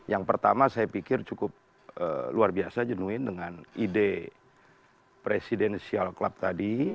yang pertama saya pikir cukup luar biasa jenuin dengan ide presidential club tadi